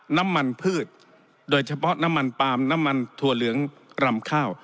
น้ำมันพืชโดยเฉพาะน้ำมันปาล์มน้ำมันถั่วเหลืองรำข้าว